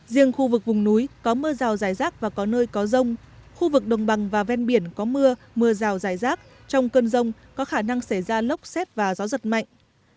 riêng khu vực vùng núi có mưa rào dài rác và có nơi có rông khu vực đồng bằng và ven biển có mưa mưa rào dài rác trong cơn rông có khả năng xảy ra lốc xét và gió giật mạnh